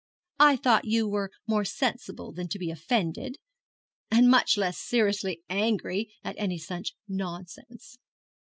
I thought you were more sensible than to be offended much less seriously angry at any such nonsense.'